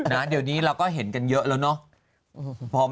เดี๋ยวนี้เราก็เห็นกันเยอะแล้วเนาะ